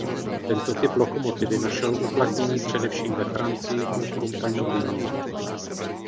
Tento typ lokomotivy našel uplatnění především ve Francii u Compagnie du Nord.